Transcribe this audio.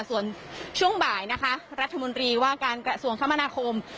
ส่วนช่วงบ่ายนะคะรัฐมนตรีว่าการกระทรวงคมนาคม